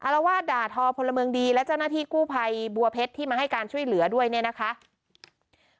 อรวาดด่าทอพลเมืองดีและเจ้านาธิกู้ภัยบัวเพชรที่มาให้การช่วยเหลือนะนะครับ